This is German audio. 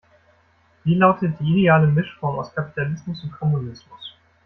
Wie lautet die ideale Mischform aus Kapitalismus und Kommunismus?